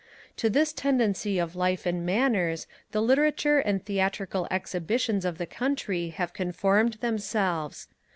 To this tendency of life and manners the literature and theatrical exhibitions of the country have conformed themselves.